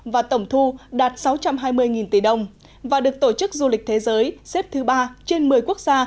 và tổng thu đạt sáu trăm hai mươi tỷ đồng và được tổ chức du lịch thế giới xếp thứ ba trên một mươi quốc gia